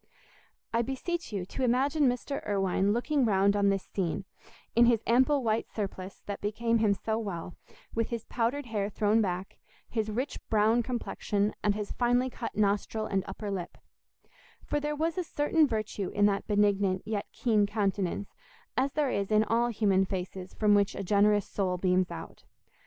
I beseech you to imagine Mr. Irwine looking round on this scene, in his ample white surplice that became him so well, with his powdered hair thrown back, his rich brown complexion, and his finely cut nostril and upper lip; for there was a certain virtue in that benignant yet keen countenance as there is in all human faces from which a generous soul beams out.